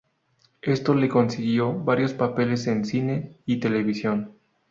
Esto le consiguió varios papeles en cine y televisión.